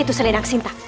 itu selenang sintak